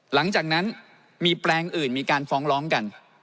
หลังจากนั้นมีแปลงอื่นมีการฟ้องร้องกัน